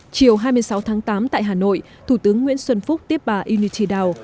chiều hai mươi sáu tháng tám tại hà nội thủ tướng nguyễn xuân phúc tiếp bà unity đào